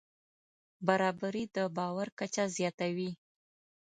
برابري د باور کچه زیاتوي.